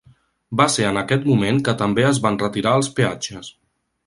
Va ser en aquest moment que també es van retirar els peatges.